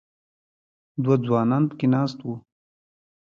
دوه ځوانان په کې ناست وو.